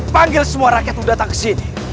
panggil semua rakyat untuk datang ke sini